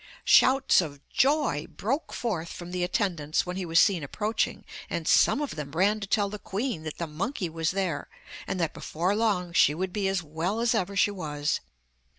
Shouts of joy broke forth from the attendants when he was seen approaching, and some of them ran to tell the queen that the monkey was there, and that before long she would be as well as ever she was.